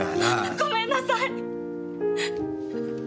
ごめんなさい。